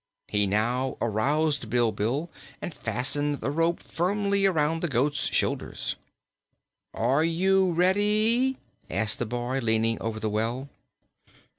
He now aroused Bilbil and fastened the rope firmly around the goat's shoulders. "Are you ready?" asked the boy, leaning over the well.